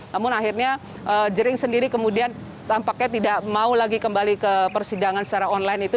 namun akhirnya jering sendiri kemudian tampaknya tidak mau lagi kembali ke persidangan secara online itu